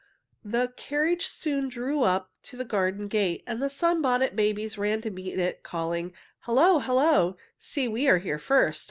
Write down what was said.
The carriage soon drew up to the garden gate, and the Sunbonnet Babies ran to meet it, calling: "Hello! hello! See, we are here first!